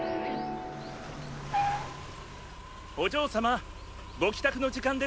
お嬢様ご帰宅の時間ですよ。